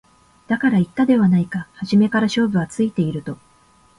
だから言ったではないか初めから勝負はついていると